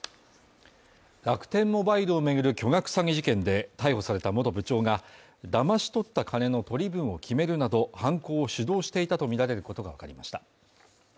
楽天モバイルを巡る巨額詐欺事件で逮捕された元部長がだまし取った金の取り分を決めるなど、犯行を主導していたとみられることがわかりました。